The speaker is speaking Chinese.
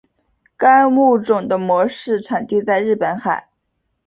该物种的模式产地在日本海。